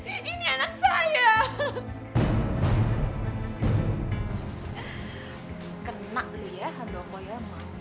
ini ada apa ada apa ini